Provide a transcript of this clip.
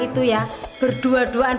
aku bener numerous apa ini